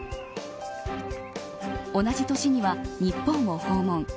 同じ年には日本を訪問。